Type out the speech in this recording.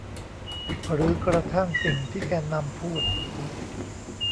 หรือกระทั่งสิ่งที่แกนนำพูด